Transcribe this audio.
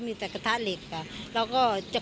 มีแต่กระทะเหล็กแล้วก็จะขึ้น